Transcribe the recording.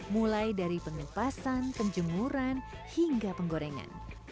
mulai dari pengepasan penjemuran hingga penggorengan